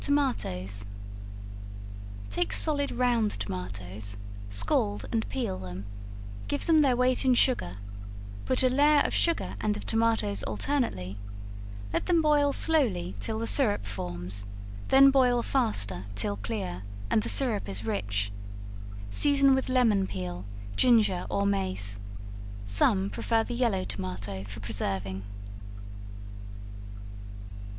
Tomatoes. Take solid round tomatoes, scald and peel them, give them their weight in sugar, put a layer of sugar and of tomatoes alternately; let them boil slowly till the syrup forms, then boil faster, till clear, and the syrup is rich; season with lemon peel, ginger or mace; some prefer the yellow tomato for preserving.